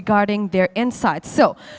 mengenai pengetahuan mereka